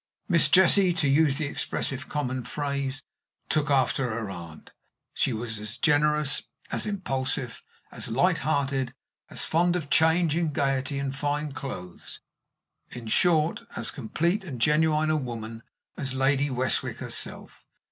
Miss Jessie, to use the expressive common phrase, took after her aunt. She was as generous, as impulsive, as light hearted, as fond of change, and gayety, and fine clothes in short, as complete and genuine a woman as Lady Westwick herself.